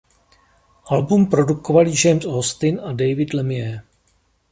Album produkovali James Austin a David Lemieux.